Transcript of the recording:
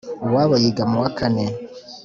uwabo yiga mu wa kane